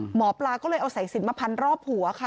หมอปลาก็เลยเอาสายสินมาพันรอบหัวค่ะ